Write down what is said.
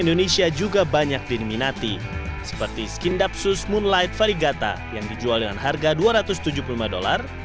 indonesia juga banyak diminati seperti skindapsus moon light varigata yang dijual dengan harga dua ratus tujuh puluh lima dolar